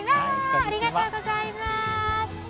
ありがとうございます。